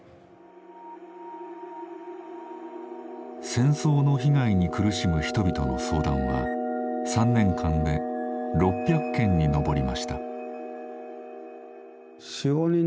戦争の被害に苦しむ人々の相談は３年間で６００件に上りました。